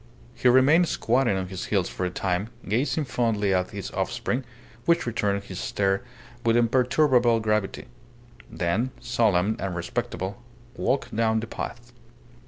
He remained squatting on his heels for a time, gazing fondly at his offspring, which returned his stare with imperturbable gravity; then, solemn and respectable, walked down the path.